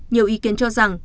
nhiều ý kiến cho rằng